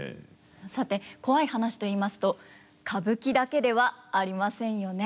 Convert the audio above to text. さてコワい話といいますと歌舞伎だけではありませんよね。